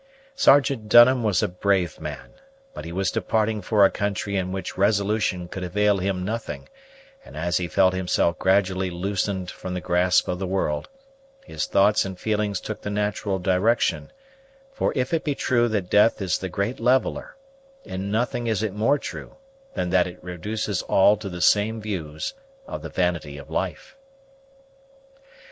Sergeant Dunham was a brave man; but he was departing for a country in which resolution could avail him nothing; and as he felt himself gradually loosened from the grasp of the world, his thoughts and feelings took the natural direction; for if it be true that death is the great leveller, in nothing is it more true than that it reduces all to the same views of the vanity of life.